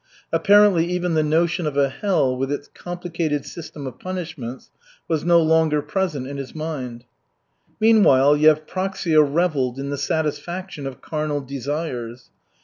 Apparently even the notion of a hell with its complicated system of punishments was no longer present in his mind. Meanwhile Yevpraksia reveled in the satisfaction of carnal desires.